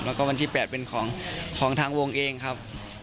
แล้วก็วันที่๘เป็นของทางวงเองครับ